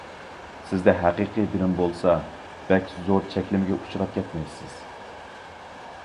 سىزدە ھەقىقىي بىلىم بولسا، بەك زور چەكلىمىگە ئۇچراپ كەتمەيسىز.